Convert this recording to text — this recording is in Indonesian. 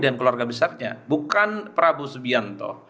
dan keluarga besarnya bukan prabu subianto